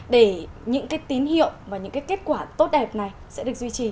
để những cái tín hiệu và những cái kết quả tốt đẹp này sẽ được duy trì